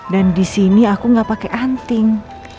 dan di sini aku gak pakai anting